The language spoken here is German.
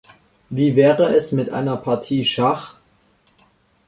Wie wäre es mit einer Partie Schach?